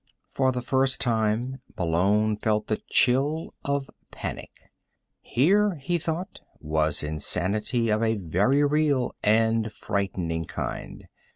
For the first time, Malone felt the chill of panic. Here, he thought, was insanity of a very real and frightening kind.